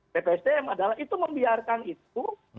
ppsdm adalah itu membiarkan itu